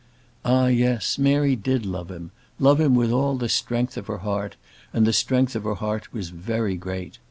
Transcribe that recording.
Ah! yes; Mary did love him; love him with all the strength of her heart; and the strength of her heart was very great.